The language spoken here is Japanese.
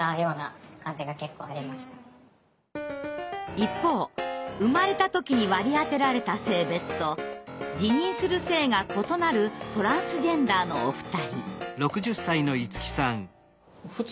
一方生まれた時に割り当てられた性別と自認する性が異なるトランスジェンダーのお二人。